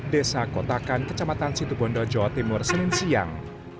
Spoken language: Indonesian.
desa kotakan kecamatan situ bondo jawa timur senin siang